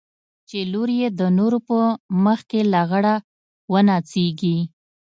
چې لور يې د نورو په مخ کښې لغړه ونڅېږي.